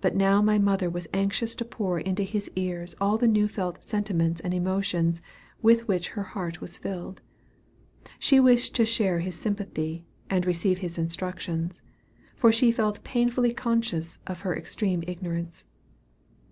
But now my mother was anxious to pour into his ears all the new felt sentiments and emotions with which her heart was filled. She wished to share his sympathy, and receive his instructions; for she felt painfully conscious of her extreme ignorance.